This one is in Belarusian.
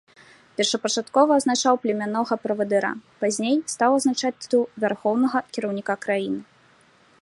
Першапачаткова азначаў племяннога правадыра, пазней стаў азначаць тытул вярхоўнага кіраўніка краіны.